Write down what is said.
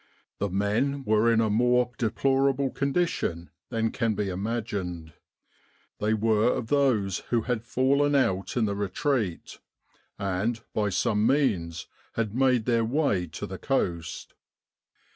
The men were in a more deplorable condition than can be imagined. They were of those who had fallen out in the retreat, and, by some means,, had made their way to the coast.